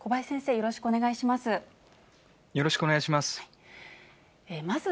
よろしくお願いします。